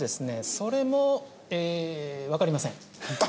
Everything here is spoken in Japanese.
それもえーわかりません。